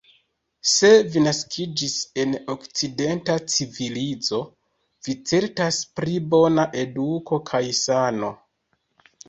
Se vi naskiĝis en okcidenta civilizo, vi certas pri bona eduko kaj sano.